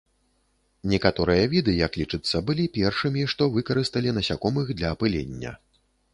Некаторыя віды, як лічыцца, былі першымі, што выкарысталі насякомых для апылення.